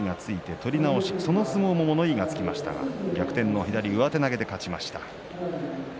取り直しの相撲も物言いがつきましたが逆転の上手投げで勝ちました。